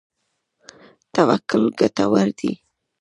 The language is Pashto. توکل ګټور دی.